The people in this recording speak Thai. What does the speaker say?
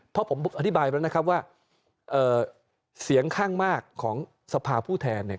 เพราะผมอธิบายแล้วนะครับว่าเสียงข้างมากของสภาผู้แทนเนี่ย